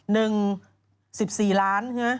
นึง๑๔ล้านฮะ